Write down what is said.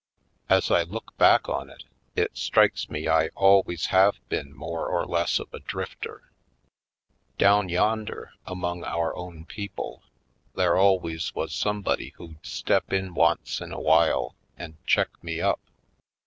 As I look back on it, it strikes me I always have been more or less of a drifter. Down yonder, among our own people, there always was some body who'd step in once in awhile and check me up.